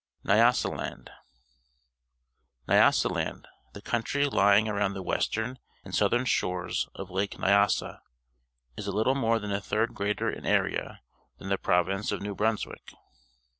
NYASALAND N'ljasaland, the country lying around the western and southern shores of Lake Xyasa, is a Uttle more than a third greater in area than the province of New Brunswick.